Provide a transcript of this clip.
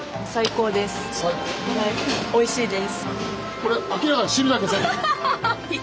これ明らかに汁だけ全部。